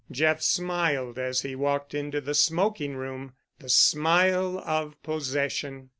Jeff smiled as he walked into the smoking room—the smile of possession.